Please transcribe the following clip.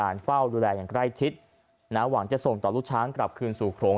เฝ้าดูแลอย่างใกล้ชิดนะหวังจะส่งต่อลูกช้างกลับคืนสู่โขลง